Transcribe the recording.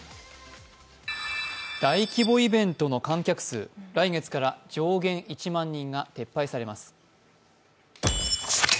大規模イベントの観客数、来月から上限１万人が撤廃されます。